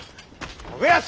信康！